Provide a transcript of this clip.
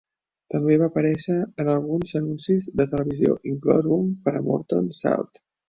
També va aparèixer en alguns anuncis de televisió, inclòs un per a Morton Salt.